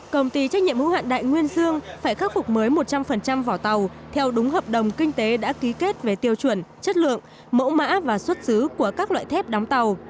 công ty trách nhiệm hữu hạn đại nguyên dương phải khắc phục mới một trăm linh vỏ tàu theo đúng hợp đồng kinh tế đã ký kết về tiêu chuẩn chất lượng mẫu mã và xuất xứ của các loại thép đóng tàu